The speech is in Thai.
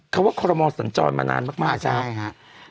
คำว่าคอรมอสัญจรมานานมากครับใช่ครับ